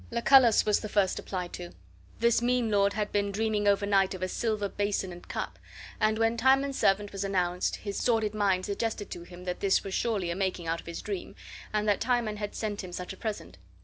Lucullus was the first applied to. This mean lord had been dreaming overnight of a silver bason and cup, and when Timon's servant was announced his sordid mind suggested to him that this was surely a making out of his dream, and that Timon had sent him such a present.